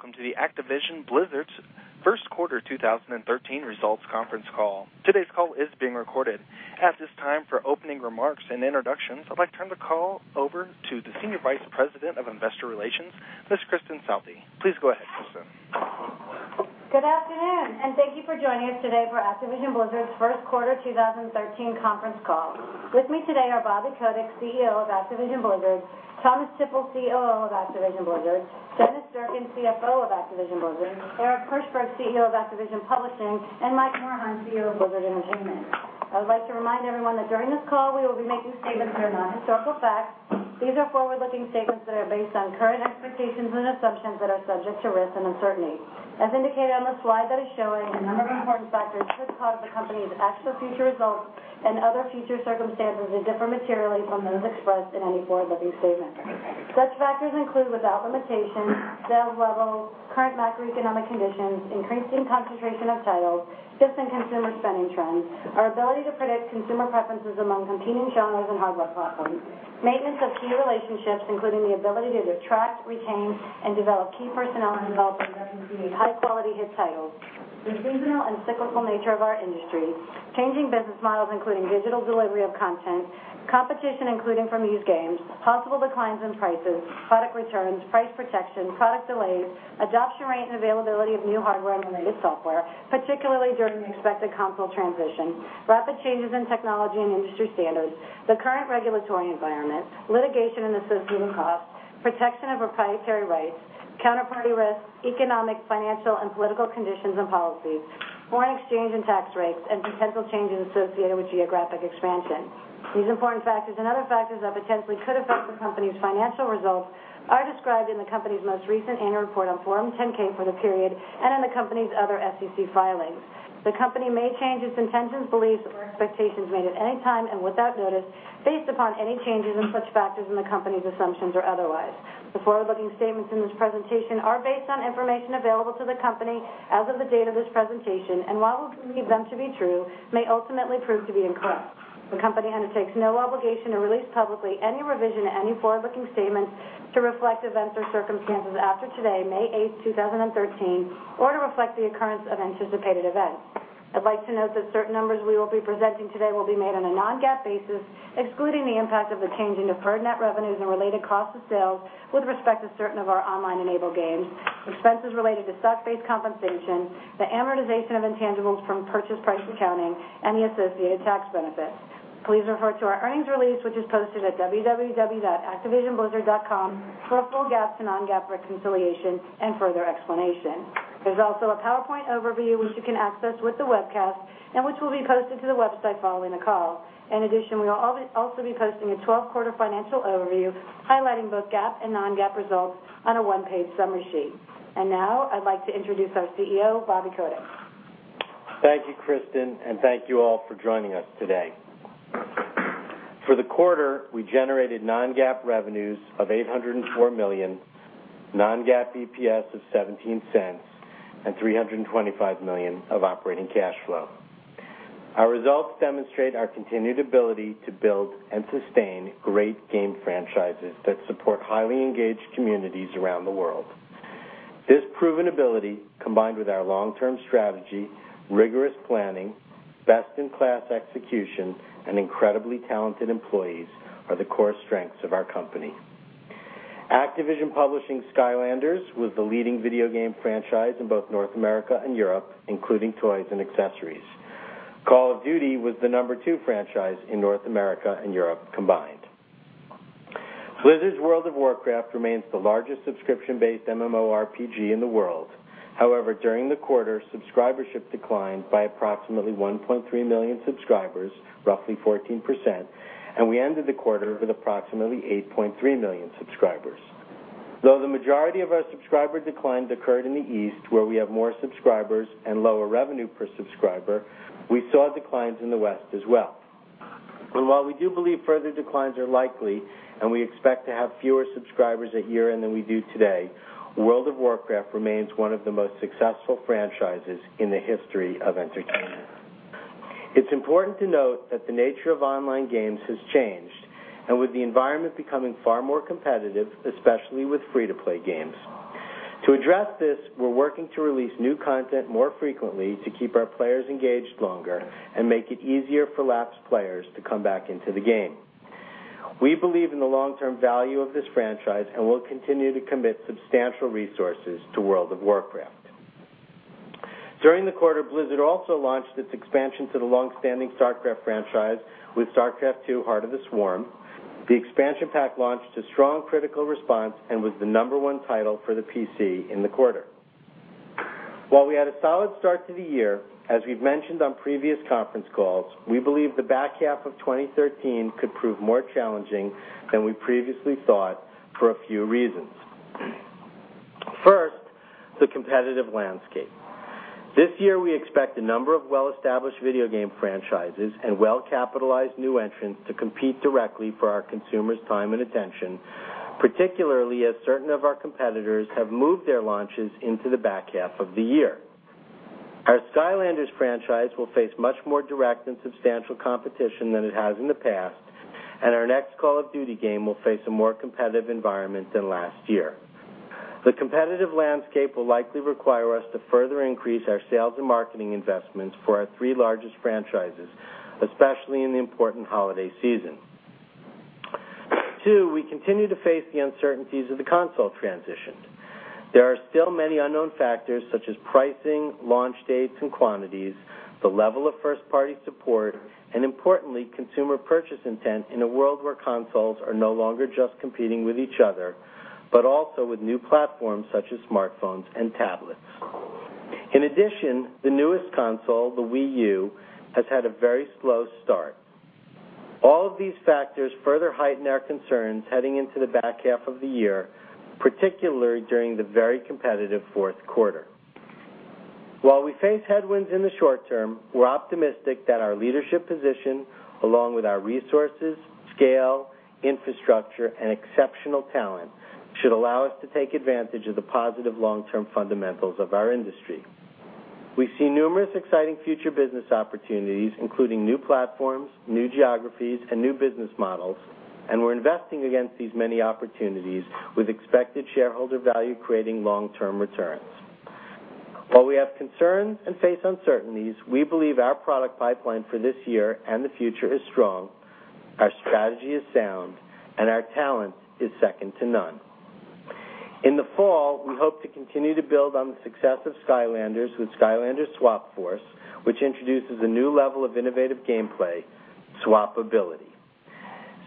Good day, welcome to Activision Blizzard's first quarter 2013 results conference call. Today's call is being recorded. At this time, for opening remarks and introductions, I'd like to turn the call over to the Senior Vice President of Investor Relations, Ms. Kristin Southey. Please go ahead, Kristin. Good afternoon, thank you for joining us today for Activision Blizzard's first quarter 2013 conference call. With me today are Bobby Kotick, CEO of Activision Blizzard, Thomas Tippl, COO of Activision Blizzard, Dennis Durkin, CFO of Activision Blizzard, Eric Hirshberg, CEO of Activision Publishing, and Mike Morhaime, CEO of Blizzard Entertainment. I would like to remind everyone that during this call, we will be making statements that are not historical facts. These are forward-looking statements that are based on current expectations and assumptions that are subject to risk and uncertainty. As indicated on the slide that is showing, a number of important factors could cause the company's actual future results and other future circumstances to differ materially from those expressed in any forward-looking statement. Such factors include, without limitation, sales levels, current macroeconomic conditions, increasing concentration of titles, shifts in consumer spending trends, our ability to predict consumer preferences among competing genres and hardware platforms, maintenance of key relationships, including the ability to attract, retain, and develop key personnel in developing and executing high-quality hit titles, the seasonal and cyclical nature of our industry, changing business models, including digital delivery of content, competition, including from used games, possible declines in prices, product returns, price protection, product delays, adoption rate and availability of new hardware and related software, particularly during the expected console transition, rapid changes in technology and industry standards, the current regulatory environment, litigation and associated costs, protection of proprietary rights, counterparty risks, economic, financial, and political conditions and policies, foreign exchange and tax rates, and potential changes associated with geographic expansion. These important factors and other factors that potentially could affect the company's financial results are described in the company's most recent annual report on Form 10-K for the period in the company's other SEC filings. The company may change its intentions, beliefs, or expectations made at any time and without notice, based upon any changes in such factors in the company's assumptions or otherwise. The forward-looking statements in this presentation are based on information available to the company as of the date of this presentation, while we believe them to be true, may ultimately prove to be incorrect. The company undertakes no obligation to release publicly any revision to any forward-looking statements to reflect events or circumstances after today, May 8th, 2013, or to reflect the occurrence of anticipated events. I'd like to note that certain numbers we will be presenting today will be made on a non-GAAP basis, excluding the impact of the change in deferred net revenues and related cost of sales with respect to certain of our online-enabled games, expenses related to stock-based compensation, the amortization of intangibles from purchase price accounting, and the associated tax benefits. Please refer to our earnings release, which is posted at www.activisionblizzard.com for a full GAAP to non-GAAP reconciliation and further explanation. There is also a PowerPoint overview which you can access with the webcast and which will be posted to the website following the call. In addition, we will also be posting a 12-quarter financial overview highlighting both GAAP and non-GAAP results on a one-page summary sheet. Now, I'd like to introduce our CEO, Bobby Kotick. Thank you, Kristin, thank you all for joining us today. For the quarter, we generated non-GAAP revenues of $804 million, non-GAAP EPS of $0.17, $325 million of operating cash flow. Our results demonstrate our continued ability to build and sustain great game franchises that support highly engaged communities around the world. This proven ability, combined with our long-term strategy, rigorous planning, best-in-class execution, and incredibly talented employees, are the core strengths of our company. Activision Publishing's Skylanders was the leading video game franchise in both North America and Europe, including toys and accessories. Call of Duty was the number two franchise in North America and Europe combined. Blizzard's World of Warcraft remains the largest subscription-based MMORPG in the world. However, during the quarter, subscribership declined by approximately 1.3 million subscribers, roughly 14%. We ended the quarter with approximately 8.3 million subscribers. Though the majority of our subscriber decline occurred in the East, where we have more subscribers and lower revenue per subscriber, we saw declines in the West as well. While we do believe further declines are likely and we expect to have fewer subscribers at year-end than we do today, World of Warcraft remains one of the most successful franchises in the history of entertainment. It's important to note that the nature of online games has changed, and with the environment becoming far more competitive, especially with free-to-play games. To address this, we're working to release new content more frequently to keep our players engaged longer and make it easier for lapsed players to come back into the game. We believe in the long-term value of this franchise and will continue to commit substantial resources to World of Warcraft. During the quarter, Blizzard also launched its expansion to the longstanding StarCraft franchise with StarCraft II: Heart of the Swarm. The expansion pack launched to strong critical response and was the number 1 title for the PC in the quarter. While we had a solid start to the year, as we've mentioned on previous conference calls, we believe the back half of 2013 could prove more challenging than we previously thought for a few reasons. First, the competitive landscape. This year, we expect a number of well-established video game franchises and well-capitalized new entrants to compete directly for our consumers' time and attention, particularly as certain of our competitors have moved their launches into the back half of the year. The Skylanders franchise will face much more direct and substantial competition than it has in the past, and our next Call of Duty game will face a more competitive environment than last year. The competitive landscape will likely require us to further increase our sales and marketing investments for our three largest franchises, especially in the important holiday season. Two. We continue to face the uncertainties of the console transition. There are still many unknown factors such as pricing, launch dates, and quantities, the level of first-party support, and importantly, consumer purchase intent in a world where consoles are no longer just competing with each other, but also with new platforms such as smartphones and tablets. In addition, the newest console, the Wii U, has had a very slow start. All of these factors further heighten our concerns heading into the back half of the year, particularly during the very competitive fourth quarter. While we face headwinds in the short term, we're optimistic that our leadership position, along with our resources, scale, infrastructure, and exceptional talent, should allow us to take advantage of the positive long-term fundamentals of our industry. We see numerous exciting future business opportunities, including new platforms, new geographies, and new business models, and we're investing against these many opportunities with expected shareholder value creating long-term returns. While we have concerns and face uncertainties, we believe our product pipeline for this year and the future is strong, our strategy is sound, and our talent is second to none. In the fall, we hope to continue to build on the success of Skylanders with Skylanders Swap Force, which introduces a new level of innovative gameplay, swapability.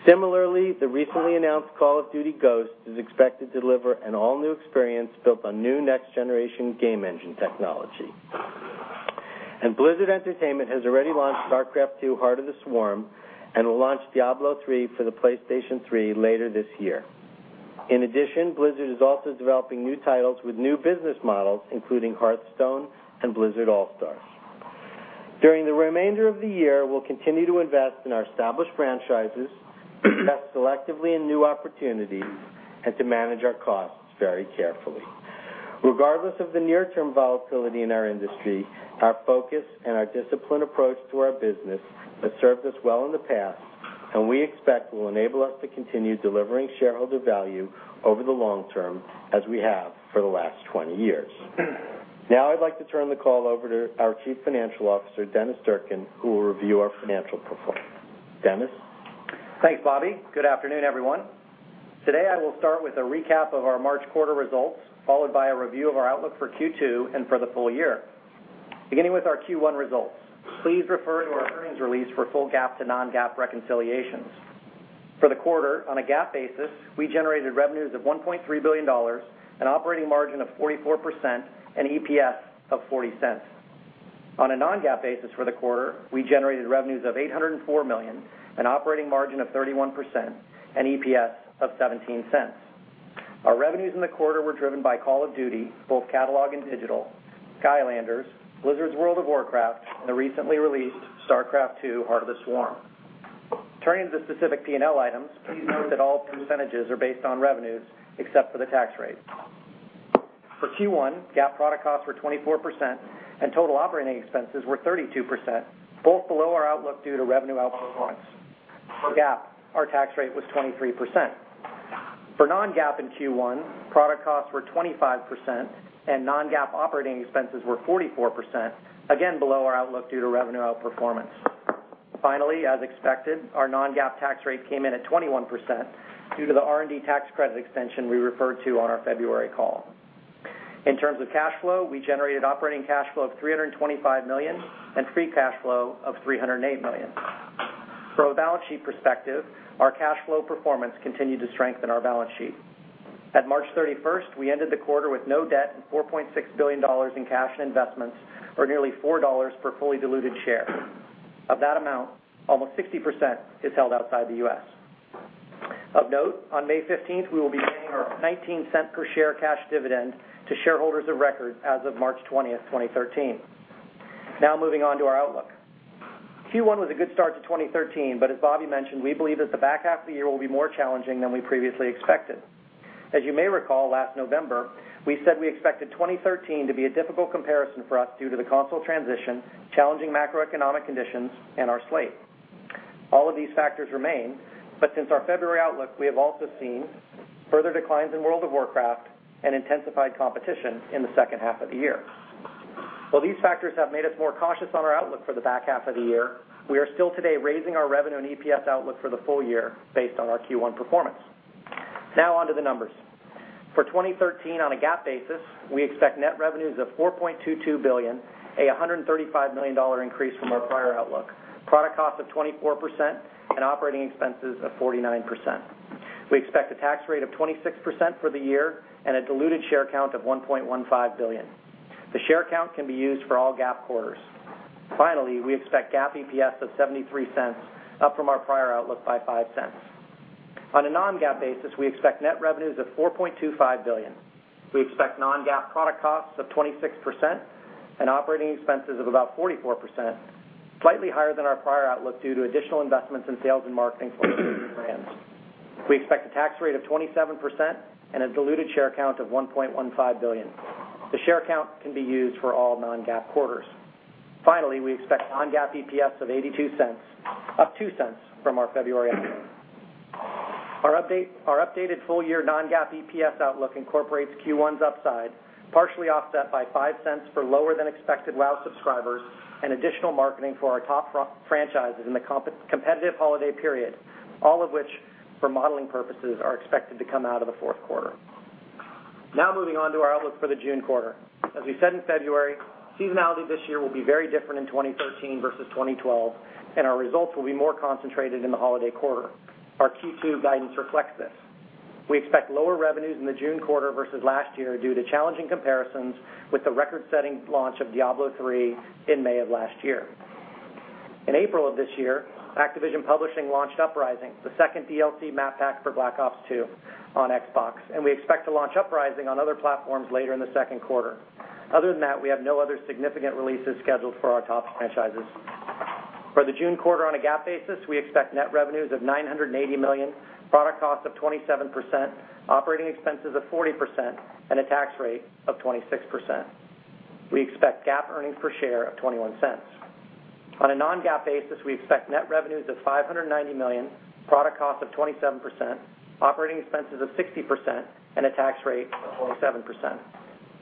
Similarly, the recently announced Call of Duty: Ghosts is expected to deliver an all-new experience built on new next-generation game engine technology. Blizzard Entertainment has already launched StarCraft II: Heart of the Swarm and will launch Diablo III for the PlayStation 3 later this year. In addition, Blizzard is also developing new titles with new business models, including Hearthstone and Blizzard All-Stars. During the remainder of the year, we'll continue to invest in our established franchises, invest selectively in new opportunities, and to manage our costs very carefully. Regardless of the near-term volatility in our industry, our focus and our disciplined approach to our business has served us well in the past and we expect will enable us to continue delivering shareholder value over the long term as we have for the last 20 years. Now I'd like to turn the call over to our Chief Financial Officer, Dennis Durkin, who will review our financial performance. Dennis? Thanks, Bobby. Good afternoon, everyone. Today, I will start with a recap of our March quarter results, followed by a review of our outlook for Q2 and for the full year. Beginning with our Q1 results. Please refer to our earnings release for full GAAP to non-GAAP reconciliations. For the quarter, on a GAAP basis, we generated revenues of $1.3 billion, an operating margin of 44%, and EPS of $0.40. On a non-GAAP basis for the quarter, we generated revenues of $804 million, an operating margin of 31%, and EPS of $0.17. Our revenues in the quarter were driven by Call of Duty, both catalog and digital, Skylanders, Blizzard's World of Warcraft, and the recently released StarCraft II: Heart of the Swarm. Turning to the specific P&L items, please note that all percentages are based on revenues except for the tax rate. For Q1, GAAP product costs were 24% and total operating expenses were 32%, both below our outlook due to revenue outperformance. For GAAP, our tax rate was 23%. For non-GAAP in Q1, product costs were 25% and non-GAAP operating expenses were 44%, again below our outlook due to revenue outperformance. Finally, as expected, our non-GAAP tax rate came in at 21% due to the R&D tax credit extension we referred to on our February call. In terms of cash flow, we generated operating cash flow of $325 million and free cash flow of $308 million. From a balance sheet perspective, our cash flow performance continued to strengthen our balance sheet. At March 31st, we ended the quarter with no debt and $4.6 billion in cash and investments, or nearly $4 per fully diluted share. Of that amount, almost 60% is held outside the U.S. Of note, on May 15th, we will be paying our $0.19 per share cash dividend to shareholders of record as of March 20th, 2013. Now, moving on to our outlook. Q1 was a good start to 2013. As Bobby mentioned, we believe that the back half of the year will be more challenging than we previously expected. As you may recall, last November, we said we expected 2013 to be a difficult comparison for us due to the console transition, challenging macroeconomic conditions, and our slate. All of these factors remain. Since our February outlook, we have also seen further declines in World of Warcraft and intensified competition in the second half of the year. While these factors have made us more cautious on our outlook for the back half of the year, we are still today raising our revenue and EPS outlook for the full year based on our Q1 performance. Now on to the numbers. For 2013, on a GAAP basis, we expect net revenues of $4.22 billion, a $135 million increase from our prior outlook, product cost of 24%, and operating expenses of 49%. We expect a tax rate of 26% for the year and a diluted share count of 1.15 billion. The share count can be used for all GAAP quarters. Finally, we expect GAAP EPS of $0.73, up from our prior outlook by $0.05. On a non-GAAP basis, we expect net revenues of $4.25 billion. We expect non-GAAP product costs of 26% and operating expenses of about 44%, slightly higher than our prior outlook due to additional investments in sales and marketing for our key brands. We expect a tax rate of 27% and a diluted share count of 1.15 billion. The share count can be used for all non-GAAP quarters. Finally, we expect non-GAAP EPS of $0.82, up $0.02 from our February estimate. Our updated full-year non-GAAP EPS outlook incorporates Q1's upside, partially offset by $0.05 for lower-than-expected WoW subscribers and additional marketing for our top franchises in the competitive holiday period, all of which, for modeling purposes, are expected to come out of the fourth quarter. Moving on to our outlook for the June quarter. We said in February, seasonality this year will be very different in 2013 versus 2012, and our results will be more concentrated in the holiday quarter. Our Q2 guidance reflects this. We expect lower revenues in the June quarter versus last year due to challenging comparisons with the record-setting launch of Diablo III in May of last year. In April of this year, Activision Publishing launched Uprising, the second DLC map pack for Black Ops II on Xbox, and we expect to launch Uprising on other platforms later in the second quarter. Other than that, we have no other significant releases scheduled for our top franchises. For the June quarter on a GAAP basis, we expect net revenues of $980 million, product cost of 27%, operating expenses of 40%, and a tax rate of 26%. We expect GAAP earnings per share of $0.21. On a non-GAAP basis, we expect net revenues of $590 million, product cost of 27%, operating expenses of 60%, and a tax rate of 27%.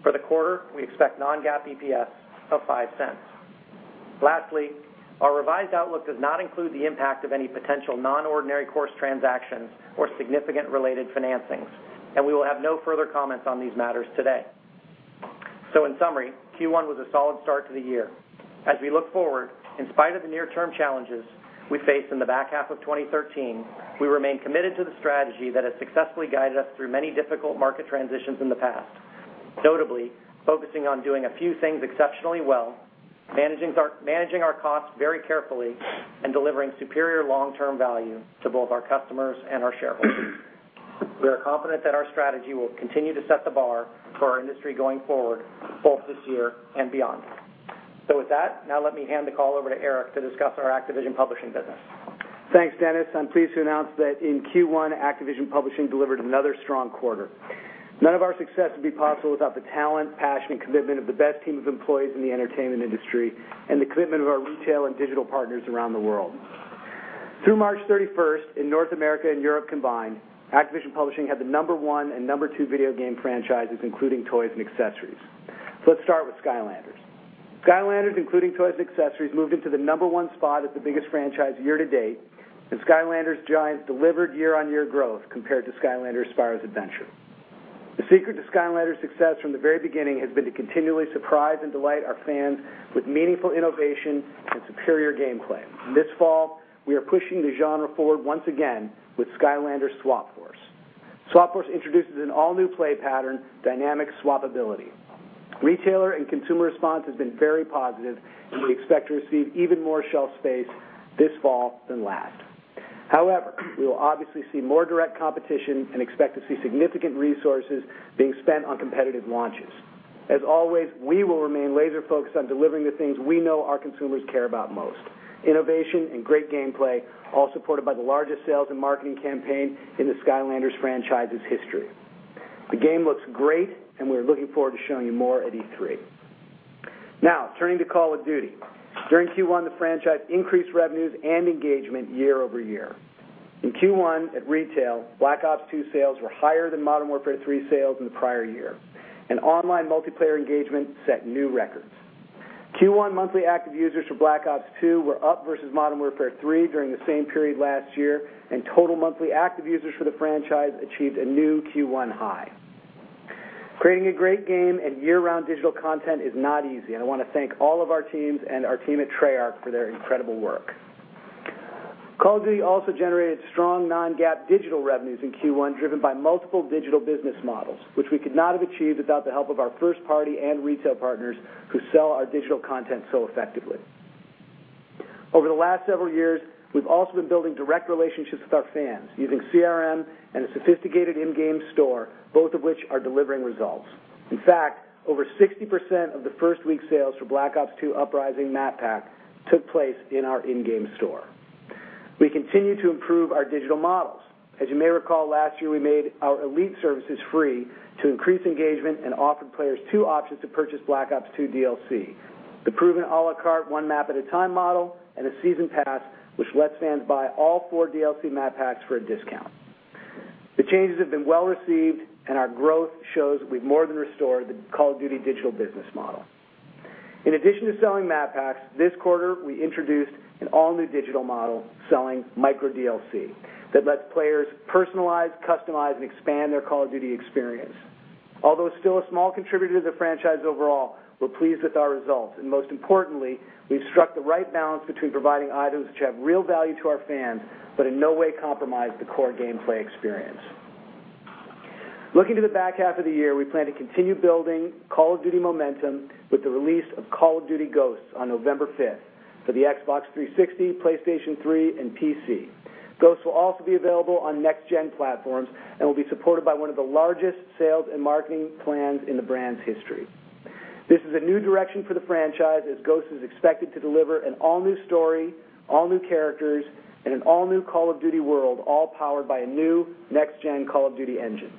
For the quarter, we expect non-GAAP EPS of $0.05. Lastly, our revised outlook does not include the impact of any potential non-ordinary course transactions or significant related financings, and we will have no further comments on these matters today. In summary, Q1 was a solid start to the year. We look forward, in spite of the near-term challenges we face in the back half of 2013, we remain committed to the strategy that has successfully guided us through many difficult market transitions in the past, notably focusing on doing a few things exceptionally well, managing our costs very carefully, and delivering superior long-term value to both our customers and our shareholders. We are confident that our strategy will continue to set the bar for our industry going forward, both this year and beyond. With that, let me hand the call over to Eric to discuss our Activision Publishing business. Thanks, Dennis. I'm pleased to announce that in Q1, Activision Publishing delivered another strong quarter. None of our success would be possible without the talent, passion, and commitment of the best team of employees in the entertainment industry and the commitment of our retail and digital partners around the world. Through March 31st, in North America and Europe combined, Activision Publishing had the number one and number two video game franchises, including toys and accessories. Let's start with Skylanders. Skylanders, including toys and accessories, moved into the number one spot as the biggest franchise year-to-date, and Skylanders Giants delivered year-on-year growth compared to Skylanders: Spyro's Adventure. The secret to Skylanders' success from the very beginning has been to continually surprise and delight our fans with meaningful innovation and superior gameplay. This fall, we are pushing the genre forward once again with Skylanders Swap Force. Swap Force introduces an all-new play pattern, dynamic swapability. Retailer and consumer response has been very positive, and we expect to receive even more shelf space this fall than last. However, we will obviously see more direct competition and expect to see significant resources being spent on competitive launches. As always, we will remain laser-focused on delivering the things we know our consumers care about most. Innovation and great gameplay, all supported by the largest sales and marketing campaign in the Skylanders franchise's history. The game looks great, and we're looking forward to showing you more at E3. Turning to Call of Duty. During Q1, the franchise increased revenues and engagement year-over-year. In Q1, at retail, Black Ops II sales were higher than Modern Warfare 3 sales in the prior year, and online multiplayer engagement set new records. Q1 monthly active users for Black Ops II were up versus Modern Warfare 3 during the same period last year, and total monthly active users for the franchise achieved a new Q1 high. Creating a great game and year-round digital content is not easy, and I want to thank all of our teams and our team at Treyarch for their incredible work. Call of Duty also generated strong non-GAAP digital revenues in Q1, driven by multiple digital business models, which we could not have achieved without the help of our first-party and retail partners who sell our digital content so effectively. Over the last several years, we've also been building direct relationships with our fans using CRM and a sophisticated in-game store, both of which are delivering results. In fact, over 60% of the first-week sales for Black Ops II Uprising map pack took place in our in-game store. We continue to improve our digital models. As you may recall, last year, we made our Elite services free to increase engagement and offered players two options to purchase Black Ops II DLC. The proven a la carte one map at a time model, and a season pass, which lets fans buy all four DLC map packs for a discount. The changes have been well-received, and our growth shows we've more than restored the Call of Duty digital business model. In addition to selling map packs, this quarter, we introduced an all-new digital model selling micro DLC that lets players personalize, customize, and expand their Call of Duty experience. Although it is still a small contributor to the franchise overall, we are pleased with our results. Most importantly, we have struck the right balance between providing items which have real value to our fans but in no way compromise the core gameplay experience. Looking to the back half of the year, we plan to continue building Call of Duty momentum with the release of Call of Duty: Ghosts on November 5th for the Xbox 360, PlayStation 3, and PC. Ghosts will also be available on next-gen platforms and will be supported by one of the largest sales and marketing plans in the brand's history. This is a new direction for the franchise as Ghosts is expected to deliver an all-new story, all new characters, and an all-new Call of Duty world, all powered by a new next-gen Call of Duty engine.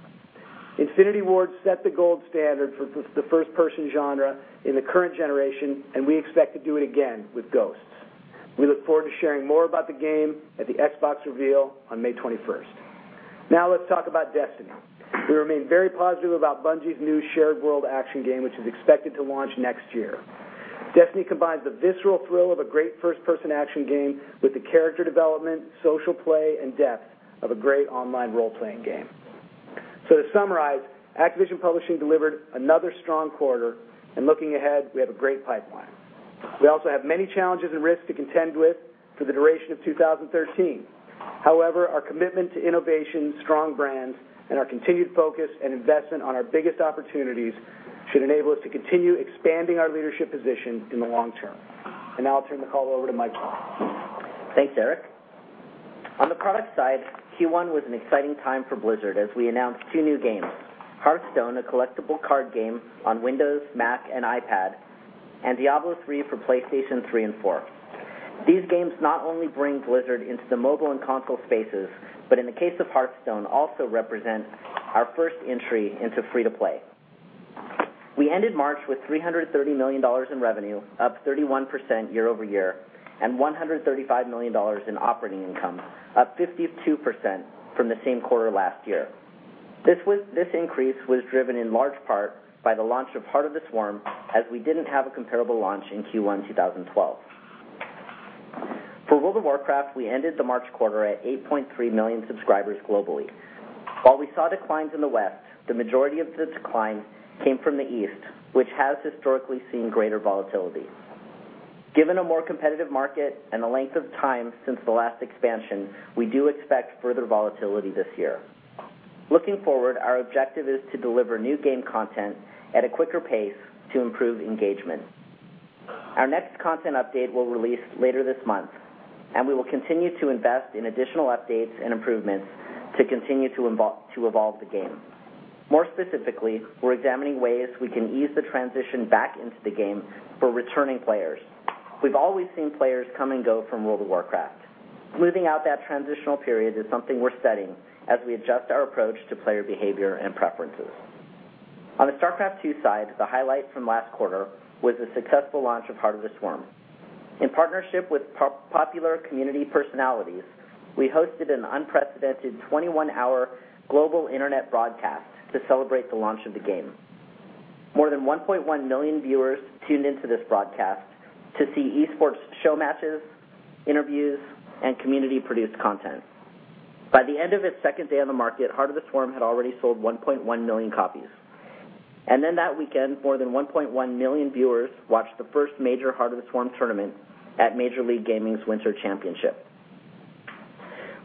Infinity Ward set the gold standard for the first-person genre in the current generation, and we expect to do it again with Ghosts. We look forward to sharing more about the game at the Xbox reveal on May 21st. Let us talk about Destiny. We remain very positive about Bungie's new shared world action game, which is expected to launch next year. Destiny combines the visceral thrill of a great first-person action game with the character development, social play, and depth of a great online role-playing game. To summarize, Activision Publishing delivered another strong quarter, and looking ahead, we have a great pipeline. We also have many challenges and risks to contend with for the duration of 2013. However, our commitment to innovation, strong brands, and our continued focus and investment on our biggest opportunities should enable us to continue expanding our leadership position in the long term. Now I will turn the call over to Mike. Thanks, Eric. On the product side, Q1 was an exciting time for Blizzard as we announced two new games, Hearthstone, a collectible card game on Windows, Mac, and iPad, and Diablo III for PlayStation 3 and 4. These games not only bring Blizzard into the mobile and console spaces, but in the case of Hearthstone, also represent our first entry into free-to-play. We ended March with $330 million in revenue, up 31% year-over-year, and $135 million in operating income, up 52% from the same quarter last year. This increase was driven in large part by the launch of Heart of the Swarm, as we did not have a comparable launch in Q1 2012. For World of Warcraft, we ended the March quarter at 8.3 million subscribers globally. While we saw declines in the West, the majority of the decline came from the East, which has historically seen greater volatility. Given a more competitive market and the length of time since the last expansion, we do expect further volatility this year. Looking forward, our objective is to deliver new game content at a quicker pace to improve engagement. Our next content update will release later this month, and we will continue to invest in additional updates and improvements to continue to evolve the game. More specifically, we're examining ways we can ease the transition back into the game for returning players. We've always seen players come and go from World of Warcraft. Smoothing out that transitional period is something we're studying as we adjust our approach to player behavior and preferences. On the StarCraft II side, the highlight from last quarter was the successful launch of Heart of the Swarm. In partnership with popular community personalities, we hosted an unprecedented 21-hour global internet broadcast to celebrate the launch of the game. More than 1.1 million viewers tuned into this broadcast to see esports show matches, interviews, and community-produced content. By the end of its second day on the market, Heart of the Swarm had already sold 1.1 million copies. That weekend, more than 1.1 million viewers watched the first major Heart of the Swarm tournament at Major League Gaming's Winter Championship.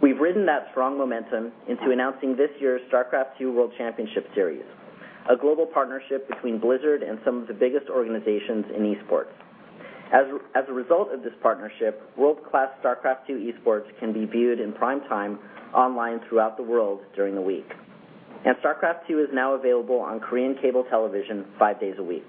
We've ridden that strong momentum into announcing this year's StarCraft II World Championship Series, a global partnership between Blizzard and some of the biggest organizations in esports. As a result of this partnership, world-class StarCraft II esports can be viewed in primetime online throughout the world during the week. StarCraft II is now available on Korean cable television five days a week.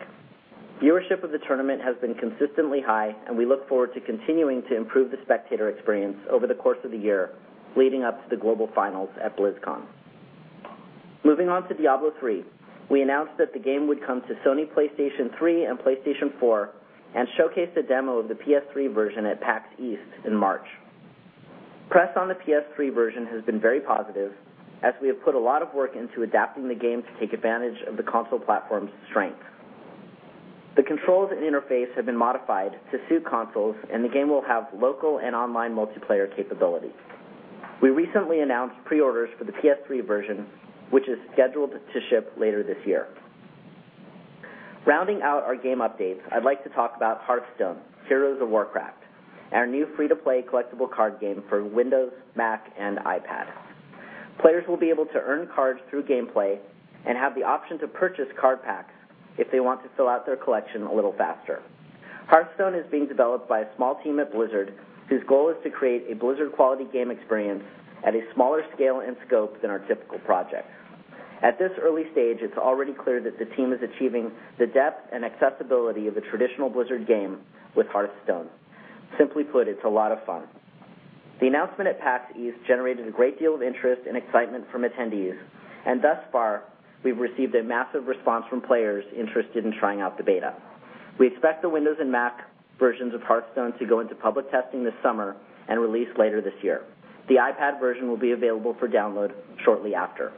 Viewership of the tournament has been consistently high, and we look forward to continuing to improve the spectator experience over the course of the year, leading up to the global finals at BlizzCon. Moving on to Diablo III, we announced that the game would come to Sony PlayStation 3 and PlayStation 4 and showcased a demo of the PS3 version at PAX East in March. Press on the PS3 version has been very positive, as we have put a lot of work into adapting the game to take advantage of the console platform's strengths. The controls and interface have been modified to suit consoles, and the game will have local and online multiplayer capability. We recently announced pre-orders for the PS3 version, which is scheduled to ship later this year. Rounding out our game updates, I'd like to talk about Hearthstone: Heroes of Warcraft, our new free-to-play collectible card game for Windows, Mac, and iPad. Players will be able to earn cards through gameplay and have the option to purchase card packs if they want to fill out their collection a little faster. Hearthstone is being developed by a small team at Blizzard, whose goal is to create a Blizzard-quality game experience at a smaller scale and scope than our typical project. At this early stage, it's already clear that the team is achieving the depth and accessibility of a traditional Blizzard game with Hearthstone. Simply put, it's a lot of fun. The announcement at PAX East generated a great deal of interest and excitement from attendees. Thus far, we've received a massive response from players interested in trying out the beta. We expect the Windows and Mac versions of Hearthstone to go into public testing this summer and release later this year. The iPad version will be available for download shortly after.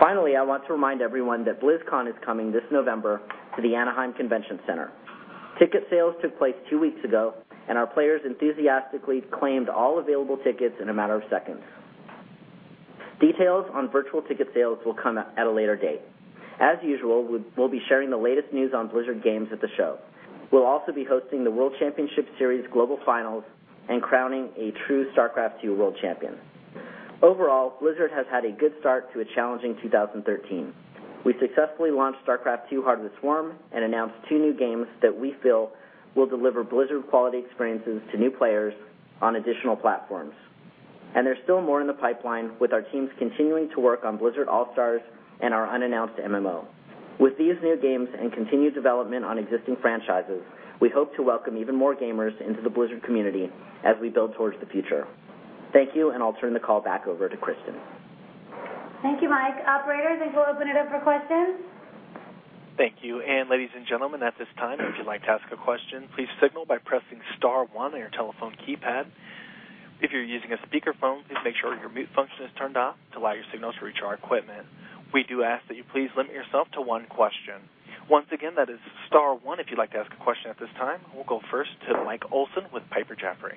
Finally, I want to remind everyone that BlizzCon is coming this November to the Anaheim Convention Center. Ticket sales took place two weeks ago, our players enthusiastically claimed all available tickets in a matter of seconds. Details on virtual ticket sales will come at a later date. As usual, we'll be sharing the latest news on Blizzard games at the show. We'll also be hosting the World Championship Series Global Finals and crowning a true StarCraft II world champion. Overall, Blizzard has had a good start to a challenging 2013. We successfully launched StarCraft II: Heart of the Swarm and announced two new games that we feel will deliver Blizzard-quality experiences to new players on additional platforms. There's still more in the pipeline with our teams continuing to work on Blizzard All-Stars and our unannounced MMO. With these new games and continued development on existing franchises, we hope to welcome even more gamers into the Blizzard community as we build towards the future. Thank you, I'll turn the call back over to Kristin. Thank you, Mike. Operator, I think we'll open it up for questions. Thank you. Ladies and gentlemen, at this time, if you'd like to ask a question, please signal by pressing star one on your telephone keypad. If you're using a speakerphone, please make sure your mute function is turned off to allow your signals to reach our equipment. We do ask that you please limit yourself to one question. Once again, that is star one if you'd like to ask a question at this time. We'll go first to Michael Olson with Piper Jaffray.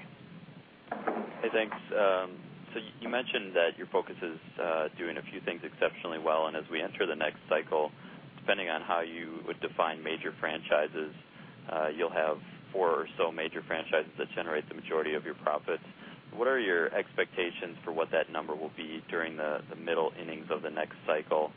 Thanks. You mentioned that your focus is doing a few things exceptionally well, and as we enter the next cycle, depending on how you would define major franchises, you'll have four or so major franchises that generate the majority of your profits. What are your expectations for what that number will be during the middle innings of the next cycle?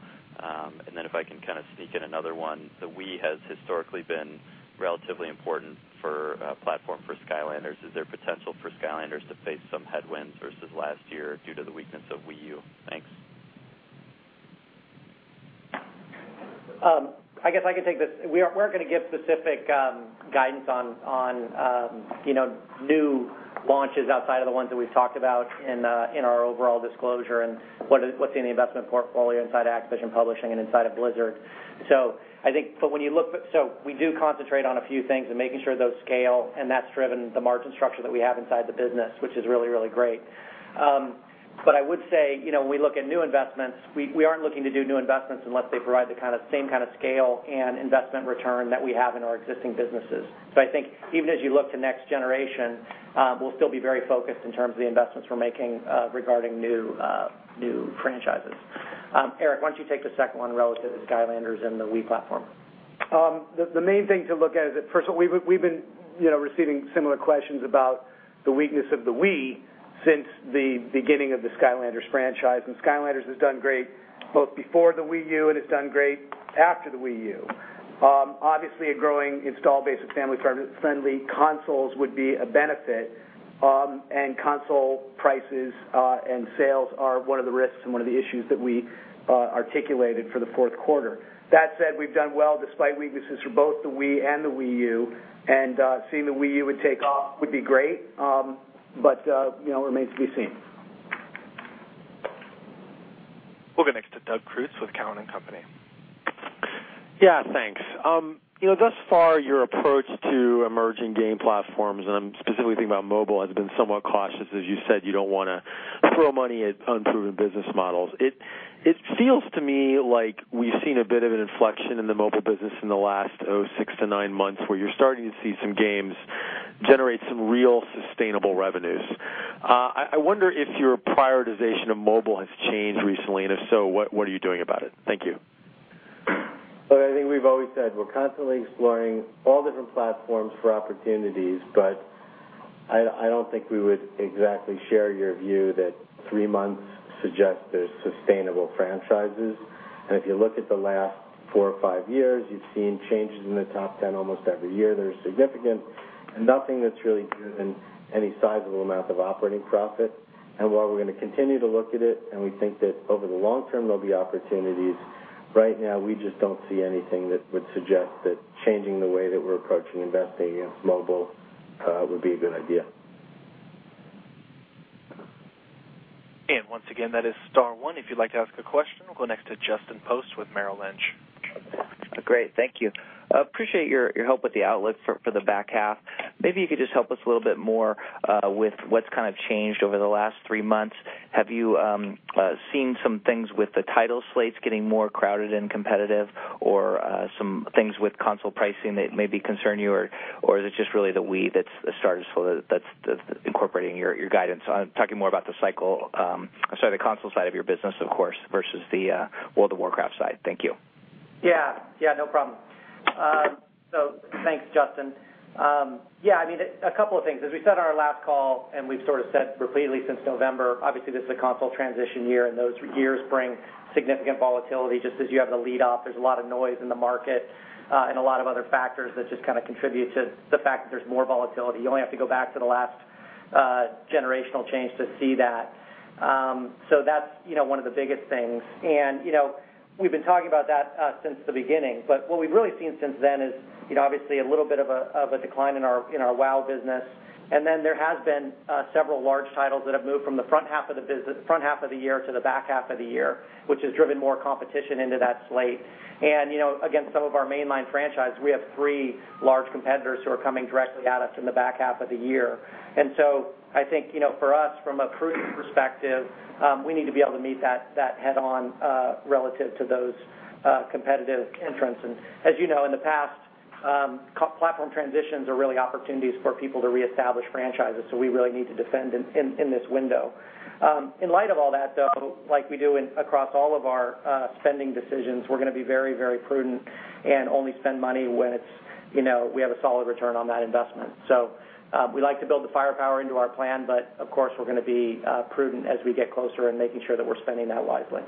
Then if I can kind of sneak in another one, the Wii has historically been relatively important for a platform for Skylanders. Is there potential for Skylanders to face some headwinds versus last year due to the weakness of Wii U? Thanks. I guess I can take this. We aren't going to give specific guidance on new launches outside of the ones that we've talked about in our overall disclosure and what's in the investment portfolio inside Activision Publishing and inside of Blizzard. We do concentrate on a few things and making sure those scale, and that's driven the margin structure that we have inside the business, which is really, really great. But I would say, when we look at new investments, we aren't looking to do new investments unless they provide the same kind of scale and investment return that we have in our existing businesses. I think even as you look to next generation, we'll still be very focused in terms of the investments we're making regarding new franchises. Eric, why don't you take the second one relative to Skylanders and the Wii platform? The main thing to look at is that, first of all, we've been receiving similar questions about the weakness of the Wii since the beginning of the Skylanders franchise, and Skylanders has done great both before the Wii U, and it's done great after the Wii U. Obviously, a growing install base of family-friendly consoles would be a benefit, and console prices and sales are one of the risks and one of the issues that we articulated for the fourth quarter. That said, we've done well despite weaknesses for both the Wii and the Wii U, and seeing the Wii U would take off would be great, but remains to be seen. We'll go next to Doug Creutz with Cowen and Company. Yeah, thanks. Thus far, your approach to emerging game platforms, and I am specifically thinking about mobile, has been somewhat cautious. As you said, you do not want to throw money at unproven business models. It feels to me like we have seen a bit of an inflection in the mobile business in the last 6-9 months, where you are starting to see some games generate some real sustainable revenues. I wonder if your prioritization of mobile has changed recently, and if so, what are you doing about it? Thank you. I think we have always said we are constantly exploring all different platforms for opportunities, but I do not think we would exactly share your view that three months suggests there is sustainable franchises. If you look at the last four or five years, you have seen changes in the top 10 almost every year that are significant. Nothing that is really driven any sizable amount of operating profit. While we are going to continue to look at it, and we think that over the long term, there will be opportunities, right now we just do not see anything that would suggest that changing the way that we are approaching investing in mobile would be a good idea. Once again, that is star one if you would like to ask a question. We will go next to Justin Post with Merrill Lynch. Great. Thank you. Appreciate your help with the outlook for the back half. Maybe you could just help us a little bit more with what has kind of changed over the last three months. Have you seen some things with the title slates getting more crowded and competitive, or some things with console pricing that maybe concern you, or is it just really the Wii that is the starter that is incorporating your guidance? I am talking more about the console side of your business, of course, versus the World of Warcraft side. Thank you. Thanks, Justin. A couple of things. As we said on our last call and we've sort of said repeatedly since November, obviously, this is a console transition year, and those years bring significant volatility just as you have the lead-off. There's a lot of noise in the market and a lot of other factors that just kind of contribute to the fact that there's more volatility. You only have to go back to the last generational change to see that. That's one of the biggest things, and we've been talking about that since the beginning. What we've really seen since then is obviously a little bit of a decline in our WoW business. There have been several large titles that have moved from the front half of the year to the back half of the year, which has driven more competition into that slate. Against some of our mainline franchise, we have three large competitors who are coming directly at us in the back half of the year. I think for us, from a prudent perspective, we need to be able to meet that head-on relative to those competitive entrants. As you know, in the past, platform transitions are really opportunities for people to reestablish franchises, we really need to defend in this window. In light of all that, though, like we do across all of our spending decisions, we're going to be very, very prudent and only spend money when we have a solid return on that investment. We like to build the firepower into our plan, of course, we're going to be prudent as we get closer and making sure that we're spending that wisely.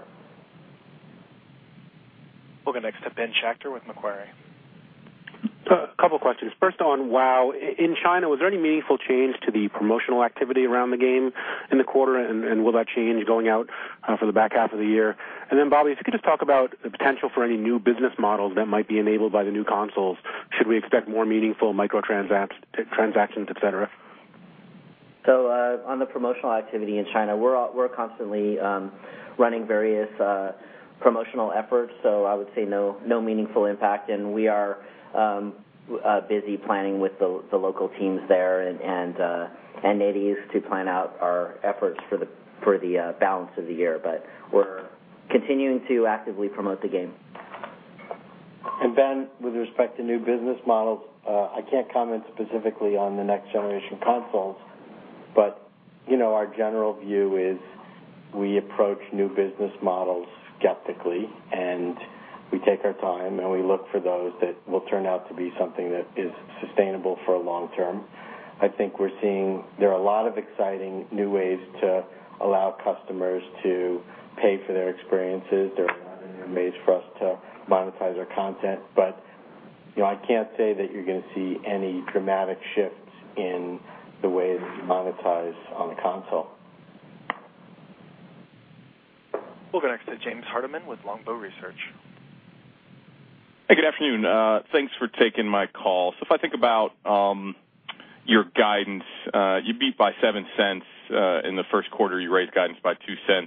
We'll go next to Ben Schachter with Macquarie. A couple questions. First on WOW. In China, was there any meaningful change to the promotional activity around the game in the quarter, and will that change going out for the back half of the year? Bobby, if you could just talk about the potential for any new business models that might be enabled by the new consoles. Should we expect more meaningful micro-transactions, et cetera? On the promotional activity in China, we're constantly running various promotional efforts. I would say no meaningful impact. We are busy planning with the local teams there and NetEase to plan out our efforts for the balance of the year. We're continuing to actively promote the game. Ben, with respect to new business models, I can't comment specifically on the next generation consoles. Our general view is we approach new business models skeptically, we take our time, we look for those that will turn out to be something that is sustainable for a long term. I think we're seeing there are a lot of exciting new ways to allow customers to pay for their experiences. There are a lot of new ways for us to monetize our content. I can't say that you're going to see any dramatic shifts in the way that we monetize on the console. We'll go next to James Hardiman with Longbow Research. Hey, good afternoon. Thanks for taking my call. If I think about your guidance, you beat by $0.07. In the first quarter, you raised guidance by $0.02.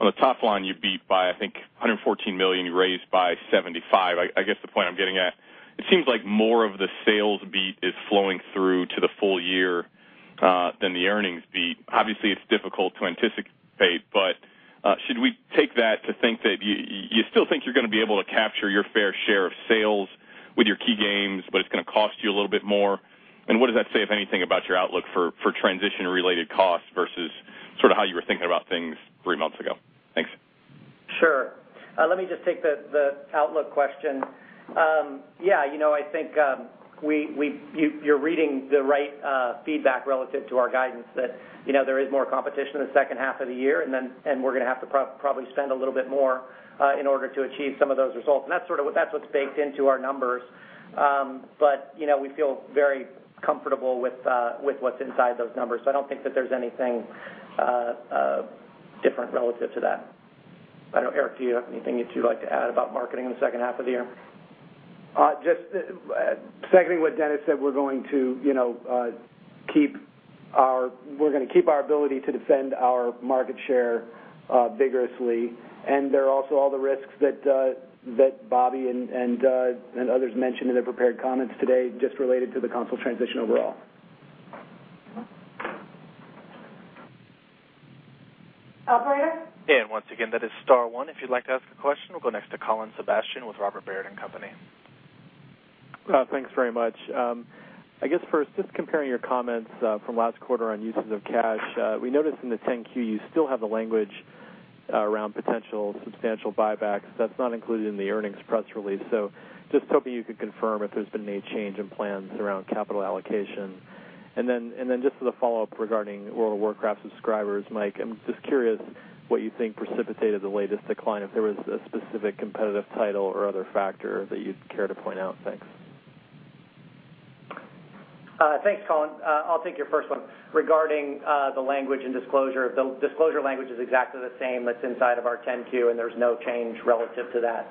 On the top line, you beat by, I think, $114 million. You raised by $75 million. I guess the point I'm getting at, it seems like more of the sales beat is flowing through to the full year than the earnings beat. Obviously, it's difficult to anticipate, should we take that to think that you still think you're going to be able to capture your fair share of sales with your key games, but it's going to cost you a little bit more? What does that say, if anything, about your outlook for transition-related costs versus how you were thinking about things 3 months ago? Thanks. Sure. Let me just take the outlook question. I think you're reading the right feedback relative to our guidance that there is more competition in the second half of the year, we're going to have to probably spend a little bit more in order to achieve some of those results. That's what's baked into our numbers. We feel very comfortable with what's inside those numbers. I don't think that there's anything different relative to that. I know, Eric, do you have anything that you'd like to add about marketing in the second half of the year? Just seconding what Dennis said, we're going to keep our ability to defend our market share vigorously. There are also all the risks that Bobby and others mentioned in their prepared comments today just related to the console transition overall. Operator? Once again, that is star one if you'd like to ask a question. We'll go next to Colin Sebastian with Robert W. Baird & Co. Thanks very much. I guess first, just comparing your comments from last quarter on uses of cash, we noticed in the 10-Q you still have the language around potential substantial buybacks. That's not included in the earnings press release. Just hoping you could confirm if there's been any change in plans around capital allocation. Just as a follow-up regarding World of Warcraft subscribers, Mike, I'm just curious what you think precipitated the latest decline, if there was a specific competitive title or other factor that you'd care to point out. Thanks. Thanks, Colin. I'll take your first one. Regarding the language and disclosure, the disclosure language is exactly the same that's inside of our 10-Q, and there's no change relative to that.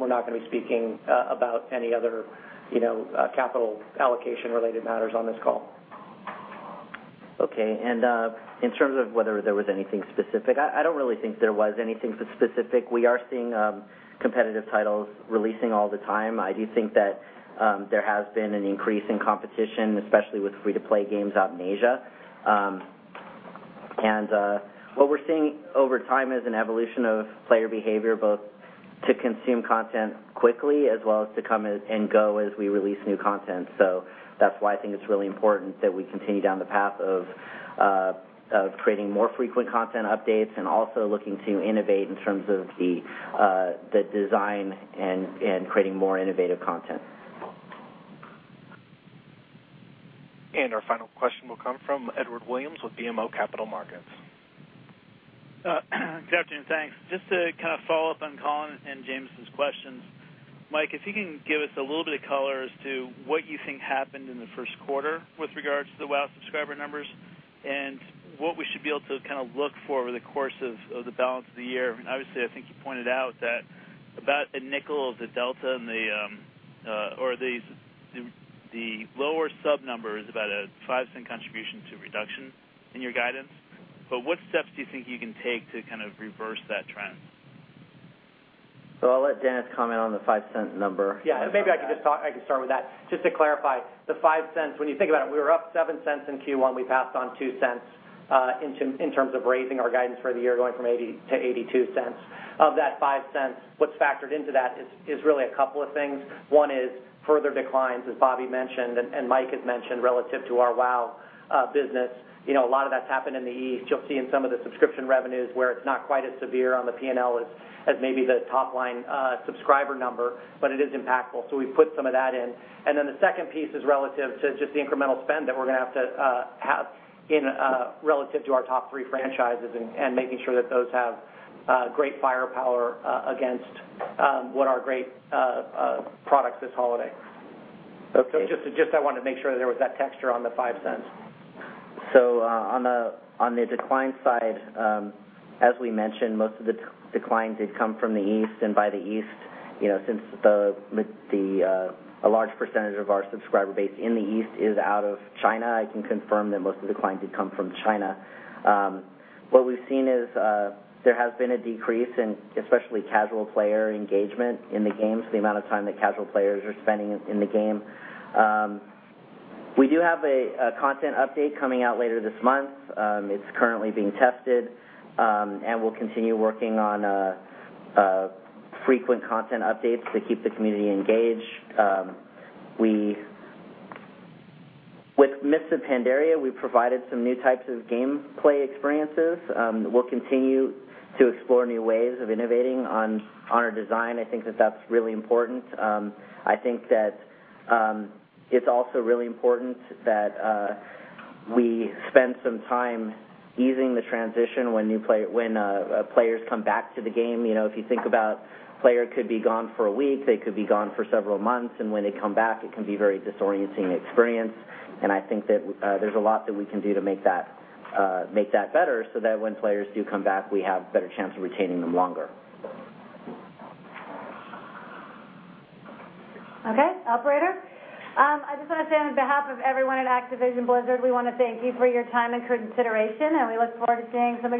We're not going to be speaking about any other capital allocation-related matters on this call. Okay. In terms of whether there was anything specific, I don't really think there was anything specific. We are seeing competitive titles releasing all the time. I do think that there has been an increase in competition, especially with free-to-play games out in Asia. What we're seeing over time is an evolution of player behavior, both to consume content quickly as well as to come and go as we release new content. That's why I think it's really important that we continue down the path of creating more frequent content updates and also looking to innovate in terms of the design and creating more innovative content. Our final question will come from Edward Williams with BMO Capital Markets. Good afternoon. Thanks. Just to kind of follow up on Colin and James's questions, Mike, if you can give us a little bit of color as to what you think happened in the first quarter with regards to the WoW subscriber numbers and what we should be able to kind of look for over the course of the balance of the year. Obviously, I think you pointed out that about a nickel of the delta or the lower sub number is about a $0.05 contribution to reduction in your guidance. What steps do you think you can take to kind of reverse that trend? I'll let Dennis comment on the $0.05 number. Maybe I can start with that. Just to clarify, the $0.05, when you think about it, we were up $0.07 in Q1. We passed on $0.02 in terms of raising our guidance for the year, going from $0.80 to $0.82. Of that $0.05, what's factored into that is really a couple of things. One is further declines, as Bobby mentioned and Mike has mentioned, relative to our WoW business. A lot of that's happened in the East. You'll see in some of the subscription revenues where it's not quite as severe on the P&L as maybe the top-line subscriber number, but it is impactful. We've put some of that in. The second piece is relative to just the incremental spend that we're going to have to have relative to our top three franchises and making sure that those have great firepower against what are great products this holiday. Okay. I wanted to make sure that there was that texture on the $0.05. On the decline side, as we mentioned, most of the decline did come from the East. By the East, since a large percentage of our subscriber base in the East is out of China, I can confirm that most of the decline did come from China. We've seen is there has been a decrease in especially casual player engagement in the games, the amount of time that casual players are spending in the game. We do have a content update coming out later this month. It's currently being tested. We'll continue working on frequent content updates to keep the community engaged. With Mists of Pandaria, we provided some new types of gameplay experiences. We'll continue to explore new ways of innovating on our design. I think that that's really important. I think that it's also really important that we spend some time easing the transition when players come back to the game. If you think about player could be gone for a week, they could be gone for several months, and when they come back, it can be a very disorienting experience. I think that there's a lot that we can do to make that better so that when players do come back, we have a better chance of retaining them longer. Okay, operator. I just want to say on behalf of everyone at Activision Blizzard, we want to thank you for your time and consideration, and we look forward to seeing.